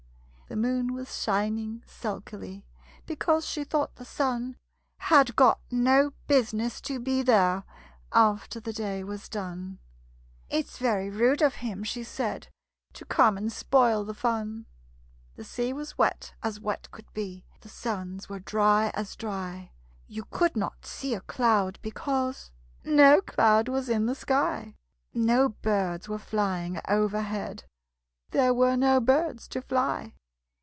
The moon was shining sulkily, Because she thought the sun Had got no business to be there After the day was done. "It's very rude of him," she said, "To come and spoil the fun." The sea was wet as wet could be, The sands were dry as dry. You could not see a cloud, because No cloud was in the sky: No birds were flying over head There were no birds to fly.